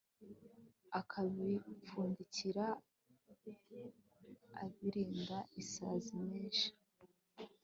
akabipfundikira abirinda isazi menshi